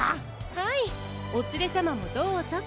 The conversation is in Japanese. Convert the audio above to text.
はいおつれさまもどうぞと。